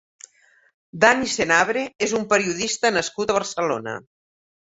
Dani Senabre és un periodista nascut a Barcelona.